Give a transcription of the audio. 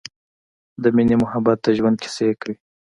د مینې مخبت د ژوند کیسې کوی